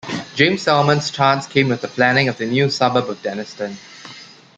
James Salmon's chance came with the planning of the new suburb of Dennistoun.